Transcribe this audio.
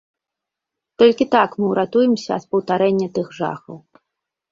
Толькі так мы ўратуемся ад паўтарэння тых жахаў.